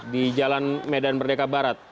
di jalan medan merdeka barat